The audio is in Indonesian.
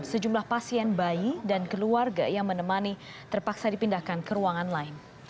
sejumlah pasien bayi dan keluarga yang menemani terpaksa dipindahkan ke ruangan lain